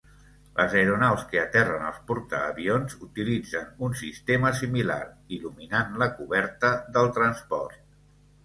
Les aeronaus que aterren als portaavions utilitzen un sistema similar, il·luminant la coberta del transport.